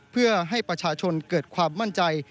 เพื่อให้ประชาชนเกิดความมั่นใจ